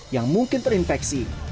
yang mungkin terinfeksi